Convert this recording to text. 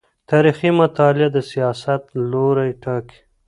تاريخي مطالعه د سياست لوری ټاکي.